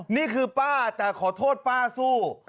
นี่คือป้าแต่ขอโทษป้าสู้